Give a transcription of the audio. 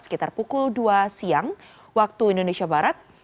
sekitar pukul dua siang waktu indonesia barat